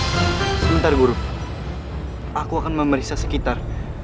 sebentar guru aku akan memeriksa sekitar